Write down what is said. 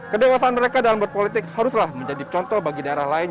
kedewasan mereka dalam berpolitik haruslah menjadi contoh bagi daerah lain